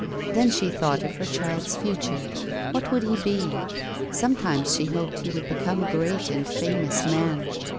Then she thought of her child's future. Wluit would he be ? Sometimes she hoped he would become a great and famous man.